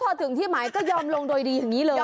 พอถึงที่หมายก็ยอมลงโดยดีอย่างนี้เลย